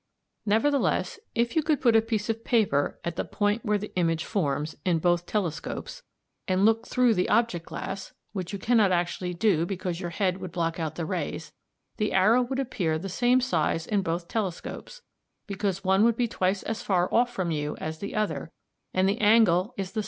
Nevertheless, if you could put a piece of paper at i, i in both telescopes, and look through the object glass (which you cannot actually do, because your head would block out the rays), the arrow would appear the same size in both telescopes, because one would be twice as far off from you as the other, and the angle i, x, i is the same in both."